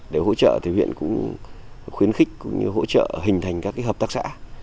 để hỗ trợ thì huyện cũng khuyến khích cũng như hỗ trợ hình thành các hợp tác xã